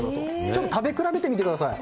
ちょっと食べ比べてみてください。